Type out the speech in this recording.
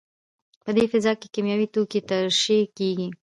په دې فضا کې کیمیاوي توکي ترشح کېږي.